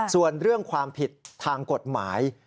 ส่วนเรื่องความผิดทางกฎหมาย